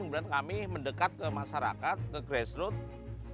kemudian kami mendekat ke masyarakat ke grassroots